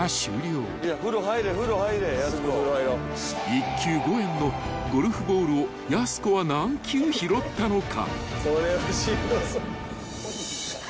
［１球５円のゴルフボールをやす子は何球拾ったのか］